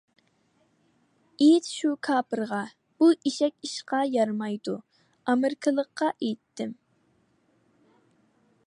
ئېيت شۇ كاپىرغا، بۇ ئېشەك ئىشقا يارىمايدۇ. ئامېرىكىلىققا ئېيتتىم.